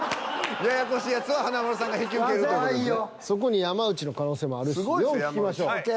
そこに山内の可能性もあるし。